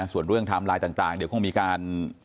ส่วนเรื่องไทม์ไลน์ต่างเดี๋ยวคงมีการ